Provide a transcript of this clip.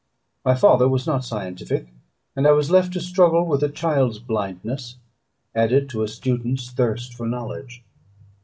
My father was not scientific, and I was left to struggle with a child's blindness, added to a student's thirst for knowledge.